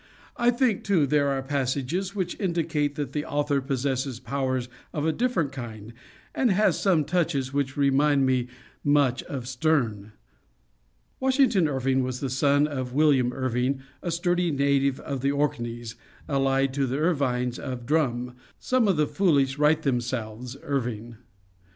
I think, too, there are passages which indicate that the author possesses powers of a different kind, and has some touches which remind me much of Sterne." Washington Irving was the son of William Irving, a sturdy native of the Orkneys, allied to the Irvines of Drum, among whose kindred was an old historiographer who said to them, "Some of the foolish write themselves Irving."